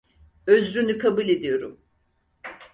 Özrünü kabul ediyorum.